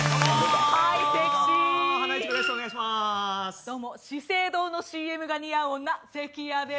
どうも資生堂のＣＭが似合う女です。